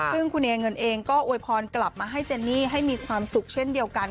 ซึ่งคุณเอเงินเองก็โวยพรกลับมาให้เจนนี่ให้มีความสุขเช่นเดียวกัน